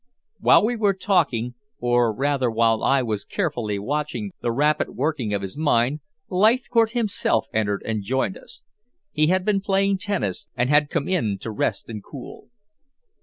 While we were talking, or rather while I was carefully watching the rapid working of his mind, Leithcourt himself entered and joined us. He had been playing tennis, and had come in to rest and cool.